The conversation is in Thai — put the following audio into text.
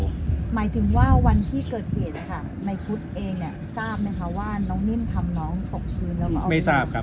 หมายถึงว่าวันที่เกิดเหตุในพุทธเองเนี่ยทราบไหมคะว่าน้องนิ่มทำน้องตกพื้นแล้วก็ไม่ทราบครับ